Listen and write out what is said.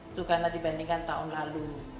itu karena dibandingkan tahun lalu